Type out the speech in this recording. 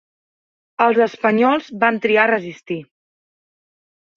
Els espanyols van triar resistir.